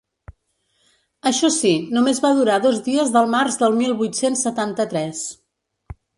Això sí, només va durar dos dies del març del mil vuit-cents setanta-tres.